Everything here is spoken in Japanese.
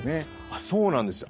あそうなんですよ。